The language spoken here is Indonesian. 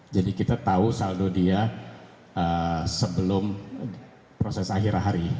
jadi kita tahu saldo dia sebelum proses akhir hari